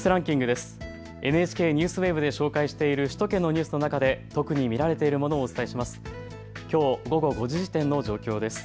ＮＨＫＮＥＷＳＷＥＢで紹介している首都圏のニュースの中で特に見られているものをお伝えします。